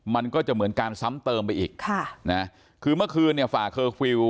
มันก็จะเหมือนการซ้ำเติมไปอีกค่ะนะคือเมื่อคืนเนี่ยฝ่าเคอร์ฟิลล์